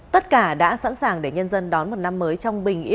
tất cả đã sẵn sàng để nhân dân đón một năm mới